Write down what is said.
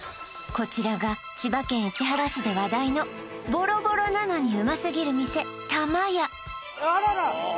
こちらが千葉県市原市で話題のボロボロなのにうますぎる店玉屋